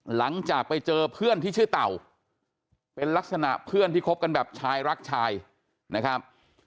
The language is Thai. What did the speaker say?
หลังจากไปเจอเพื่อนที่ชื่อเต่าเป็นลักษณะเพื่อนที่คบกันแบบชายรักชายนะครับ